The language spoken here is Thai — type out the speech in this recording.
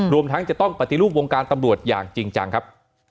รวมทั้งจะต้องปฏิรูปวงการตำรวจอย่างจริงจังครับ